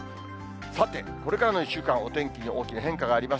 さて、これからの１週間、お天気に大きな変化があります。